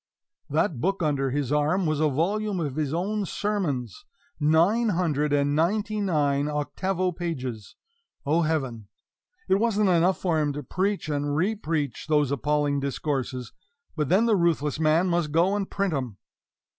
That book under his arm was a volume of his own sermons nine hundred and ninety nine octavo pages, O Heaven! It wasn't enough for him to preach and repreach those appalling discourses, but then the ruthless man must go and print 'em!